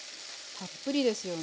たっぷりですよね。